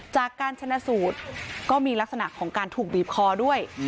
จากการชนะสูตรก็มีลักษณะของการถูกบีบคอด้วย